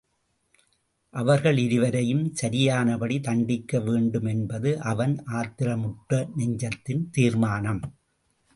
அவர்களிருவரையும் சரியானபடி தண்டிக்க வேண்டும் என்பது அவன் ஆத்திரமுற்ற நெஞ்சத்தின் தீர்மானம்.